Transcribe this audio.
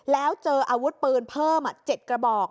แล้วเจออาวุธปืนเพิ่ม๗กระบอก